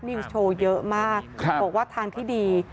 นิวส์โชว์เยอะมากบอกว่าทางที่ดี